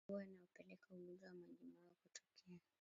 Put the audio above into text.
Mambo yanayopelekea ugonjwa wa majimoyo kutokea